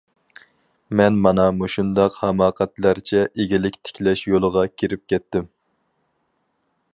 مەن مانا مۇشۇنداق ھاماقەتلەرچە ئىگىلىك تىكلەش يولىغا كىرىپ كەتتىم.